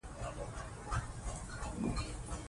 طبیعت د انسان د باطني رڼا او سکون د پیدا کولو لاره ده.